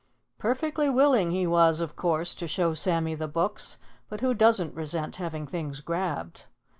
Perfectly willing he was, of course, to show Sammy the books, but who doesn't resent having things grabbed?